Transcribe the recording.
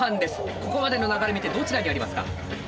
ここまでの流れ見てどちらにありますか？